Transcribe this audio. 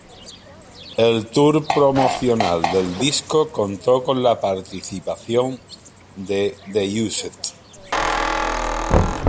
El tour promocional del disco contó con la participación de The Used.